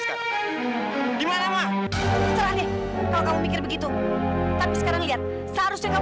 sampai jumpa di video selanjutnya